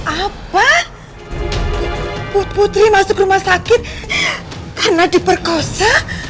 apa putri masuk rumah sakit karena diperkosa